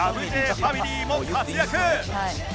ファミリーも活躍！